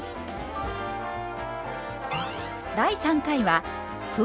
第３回は麩。